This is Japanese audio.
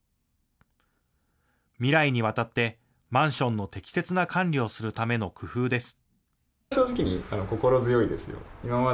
未来にわたってマンションの適切な管理をするための工夫です。